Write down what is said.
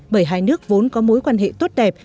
bởi hai nước vốn có mối quan hệ tốt đẹp